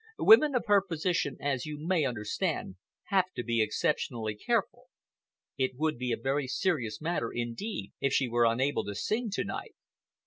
Women of her position, as you may understand, have to be exceptionally careful. It would be a very serious matter indeed if she were unable to sing to night."